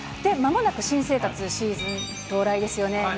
まもなく新生活シーズン到来ですよね。